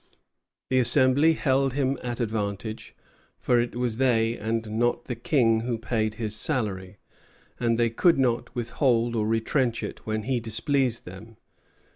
The Assembly held him at advantage; for it was they, and not the King, who paid his salary, and they could withhold or retrench it when he displeased them.